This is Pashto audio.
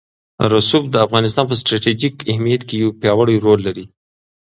رسوب د افغانستان په ستراتیژیک اهمیت کې یو پیاوړی رول لري.